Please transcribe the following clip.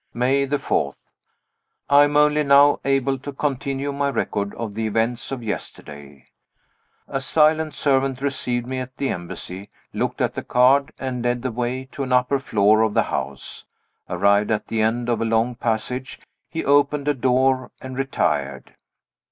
May 4. I am only now able to continue my record of the events of yesterday. A silent servant received me at the Embassy, looked at the card, and led the way to an upper floor of the house. Arrived at the end of a long passage, he opened a door, and retired.